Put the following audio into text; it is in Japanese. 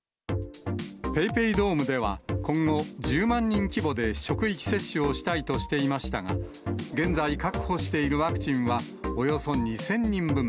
ＰａｙＰａｙドームでは、今後、１０万人規模で職域接種をしたいとしていましたが、現在、確保しているワクチンはおよそ２０００人分。